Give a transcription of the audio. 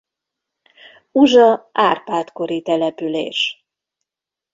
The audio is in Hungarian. Uzsa Árpád-kori település.